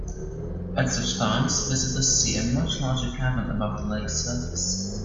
At such times visitors see a much larger cavern above the lake surface.